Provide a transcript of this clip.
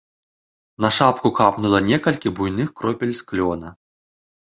На шапку капнула некалькі буйных кропель з клёна.